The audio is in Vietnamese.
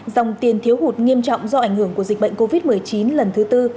dòng tiền thiếu hụt nghiêm trọng do ảnh hưởng của dịch bệnh covid một mươi chín lần thứ tư